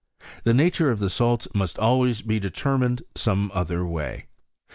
The nature of the salts must always be determined some other way.